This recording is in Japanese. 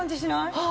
はい。